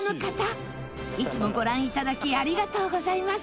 いつもご覧頂きありがとうございます。